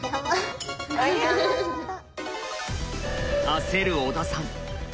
焦る小田さん。